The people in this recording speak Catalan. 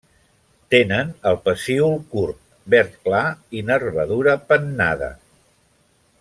Tenen el pecíol curt verd clar i nervadura pennada.